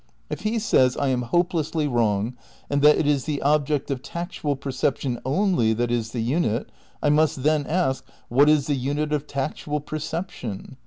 If he says I am hopelessly wrong, and that it is the object of tactual perception only that is the unit I must then ask : What is the unit of tactual perception?